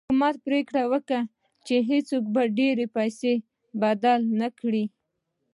حکومت پرېکړه وکړه چې هېڅوک ډېرې پیسې بدل نه کړي.